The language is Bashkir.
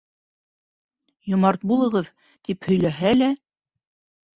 «Йомарт булығыҙ», тип һөйләһә лә